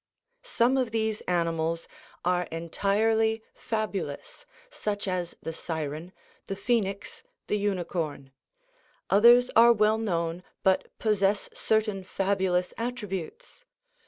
Some of these animals are entirely fabulous, such as the siren, the phoenix, the unicorn; others are well known, but possess certain fabulous attributes.